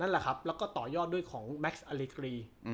แล้วก็ต่อยอดด้วยของแม็กซ์อลิกรี